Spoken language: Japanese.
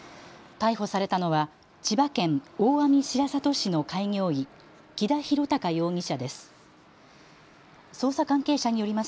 逮捕されたのは千葉県大網白里市の開業医、木田博隆容疑者です。